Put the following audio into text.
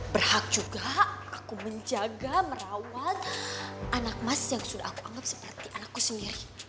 berhak juga aku menjaga merawat anak emas yang sudah aku anggap seperti anakku sunyi